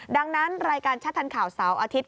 ดังนั้นรายการชาติธรรมข่าวเสาร์อาทิตย์